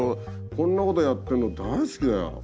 こんなことやってんの大好きだよ。